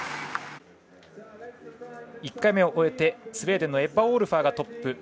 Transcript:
１回目を終えてスウェーデンのエッバ・オールファーがトップ。